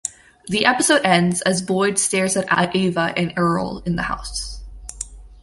The episode ends as Boyd stares at Ava and Earl in the house.